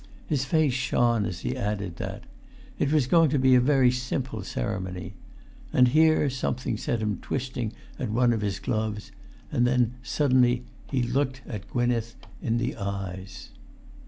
His face shone as he added that. It was going to be a very simple ceremony. And here something set him twisting at one of his gloves; then suddenly he looked Gwynneth in the eyes.